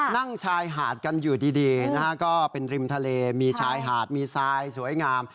นั่งชายหาดกันอยู่ดีนะฮะก็เป็นริมทะเลมีชายหาดมีทรายสวยงาม